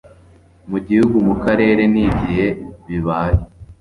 mu gihugu mu karere n igihe bibaye